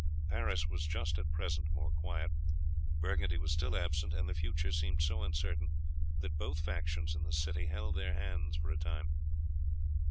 Paris was just at present more quiet. Burgundy was still absent, and the future seemed so uncertain, that both factions in the city held their hands for a time.